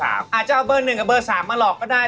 อาจจะเอาเบอร์๑กับเบอร์๓มาหลอกก็ได้